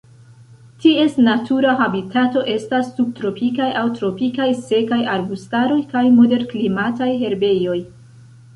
Ties natura habitato estas subtropikaj aŭ tropikaj sekaj arbustaroj kaj moderklimataj herbejoj.